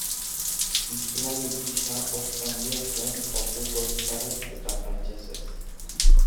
Hizlari gisa ospe handia zuen orduko, euskaraz eta frantsesez.